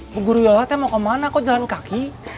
bu guru yola teh mau kemana kok jalan kaki